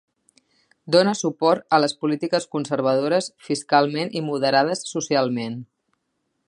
Dona suport a les polítiques conservadores fiscalment i moderades socialment.